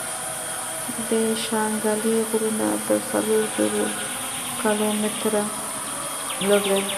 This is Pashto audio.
د شانګلې غرونه تر څلور زرو کلو ميتره لوړ دي ـ